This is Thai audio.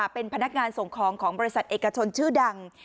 เป็นพนักงานส่งของของบริษัทเอกชนชื่อดัง